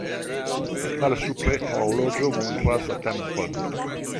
Pli malsupre horloĝo montras la tempon.